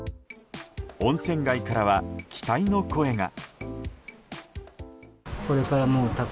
温泉街からは、期待の声が。